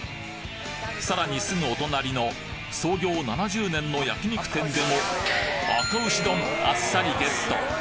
さらにすぐお隣の創業７０年の焼き肉店でもあか牛丼あっさりゲット